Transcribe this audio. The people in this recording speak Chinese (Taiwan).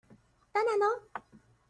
當然囉